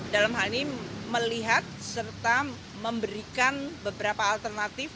dalam hal ini melihat serta memberikan beberapa alternatif